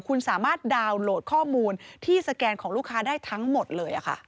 คุณสามารถดาวน์โหลดข้อมูลที่สแกนของลูกค้าได้ทั้งหมดเลย